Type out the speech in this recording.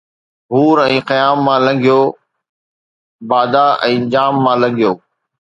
هور ۽ خيام مان لنگهيو، بادا ۽ ڄام مان لنگهيو